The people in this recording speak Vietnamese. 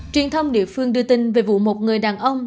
truyền thông địa phương đưa tin về vụ một người đàn ông